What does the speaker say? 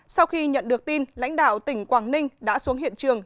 sau khi nhận được tin lãnh đạo tỉnh quảng ninh đã xuống hiện trường